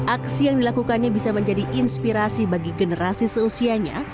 aksi yang dilakukannya bisa menjadi inspirasi bagi generasi seusianya